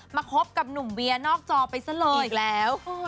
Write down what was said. คบกับหนุ่มเวียนอกจอไปซะเลยอีกแล้ว